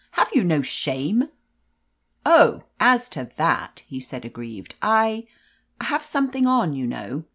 "Have you no shame ?' "Oh, as to that,'^ he said aggrieved, "I — I have something on, you know.